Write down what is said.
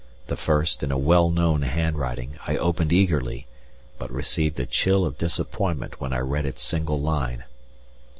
The first, in a well known handwriting, I opened eagerly, but received a chill of disappointment when I read its single line.